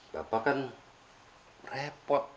bapak kan repot